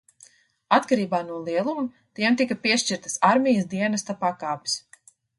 Atkarībā no lieluma, tiem tika piešķirtas armijas dienesta pakāpes.